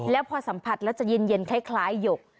แล้วพอสัมผัสแล้วจะเย็นคล้ายหยก